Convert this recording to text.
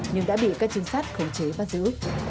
nhưng đã bị các chứng sát khống chế và giữ